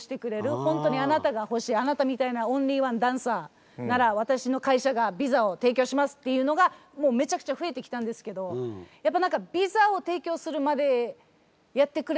ほんとにあなたが欲しいあなたみたいなオンリーワンダンサーなら私の会社がビザを提供しますっていうのがめちゃくちゃ増えてきたんですけどやっぱ何かビザを提供するまでやってくれるところも少ないので。